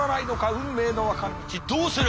運命の分かれ道どうする。